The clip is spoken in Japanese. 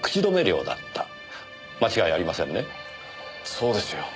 そうですよ。